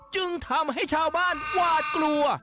จึงทำให้ชาวบ้านหวาดกลัว